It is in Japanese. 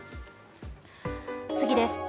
次です。